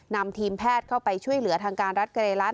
นำทีมแพทย์เข้าไปช่วยเหลือทางการรัฐเกรรัฐ